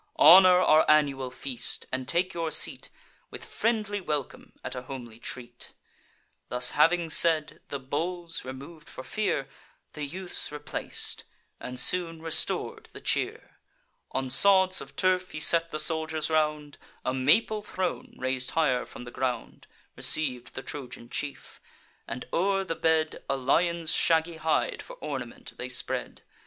Honour our annual feast; and take your seat, With friendly welcome, at a homely treat." Thus having said, the bowls remov'd (for fear) The youths replac'd, and soon restor'd the cheer. On sods of turf he set the soldiers round: A maple throne, rais'd higher from the ground, Receiv'd the Trojan chief; and, o'er the bed, A lion's shaggy hide for ornament they spread.